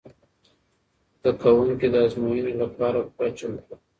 زده کوونکي د ازموینو لپاره پوره چمتو دي.